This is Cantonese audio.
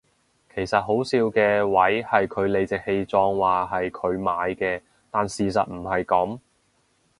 其實好笑嘅位係佢理直氣壯話係佢買嘅但事實唔係噉